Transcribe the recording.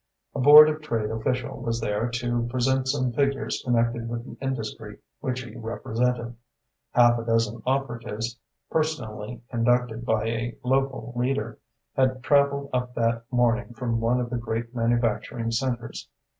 A Board of Trade official was there to present some figures connected with the industry which he represented. Half a dozen operatives, personally conducted by a local leader, had travelled up that morning from one of the great manufacturing centres.